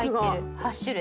８種類。